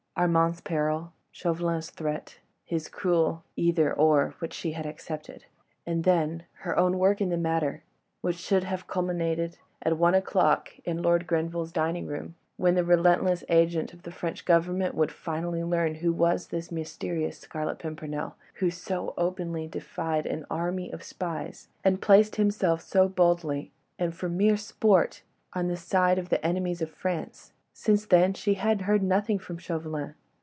Armand's peril, Chauvelin's threat, his cruel "Either—or—" which she had accepted. And then her own work in the matter, which should have culminated at one o'clock in Lord Grenville's dining room, when the relentless agent of the French Government would finally learn who was this mysterious Scarlet Pimpernel, who so openly defied an army of spies and placed himself so boldly, and for mere sport, on the side of the enemies of France. Since then she had heard nothing from Chauvelin.